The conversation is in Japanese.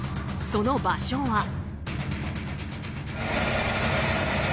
その場所は。